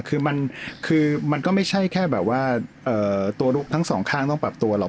คือมันคือมันก็ไม่ใช่แค่แบบว่าตัวทั้งสองข้างต้องปรับตัวหรอก